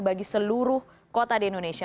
bagi seluruh kota di indonesia